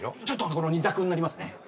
ちょっと２択になりますね。